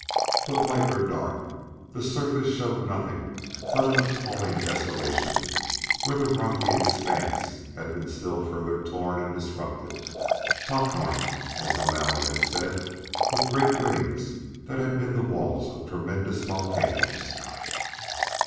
But light or dark, the surface showed nothing but an appalling desolation where the rocky expanse had been still further torn and disrupted pockmarked, as O'Malley had said, with great rings that had been the walls of tremendous volcanoes.